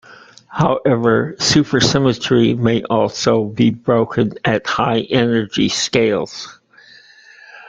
However, supersymmetry may also be broken at high energy scales.